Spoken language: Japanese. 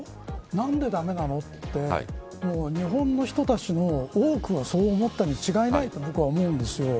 何で駄目なのって日本の人たちの多くはそう思ったに違いないと僕は思うんです。